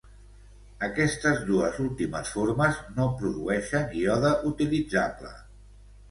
Aquestes dues últimes formes no produeixen iode utilitzable.